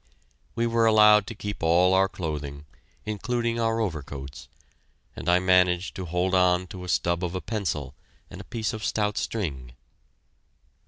We were allowed to keep all our clothing, including our overcoats, and I managed to hold on to a stub of a pencil and a piece of stout string.